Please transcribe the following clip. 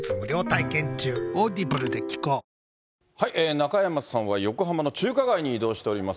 中山さんは横浜の中華街に移動しております。